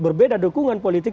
berbeda dukungan politik